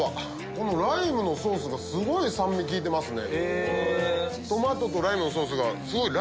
このライムのソースがすごい酸味利いてますね。